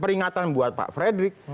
peringatan buat pak frederick